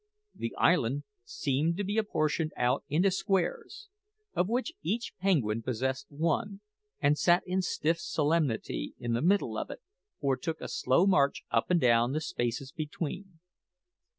The island seemed to be apportioned out into squares, of which each penguin possessed one, and sat in stiff solemnity in the middle of it, or took a slow march up and down the spaces between.